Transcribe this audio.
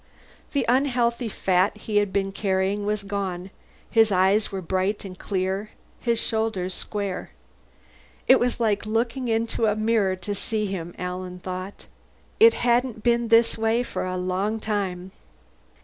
The unhealthy fat he had been carrying was gone; his eyes were bright and clear, his shoulders square. It was like looking into a mirror to see him, Alan thought. It hadn't been this way for a long time.